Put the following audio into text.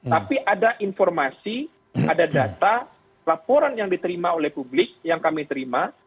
tapi ada informasi ada data laporan yang diterima oleh publik yang kami terima